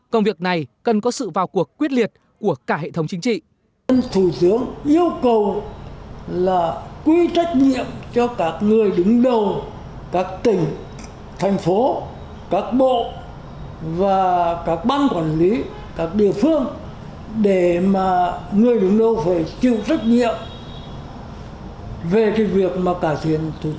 công việc này cần có sự vào cuộc quyết liệt của cả hệ thống chính trị